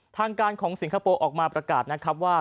ทางการของสิงคโปร์ออกมาประกาศนะครับว่า